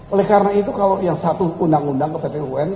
oleh karena itu kalau yang satu undang undang ke pt un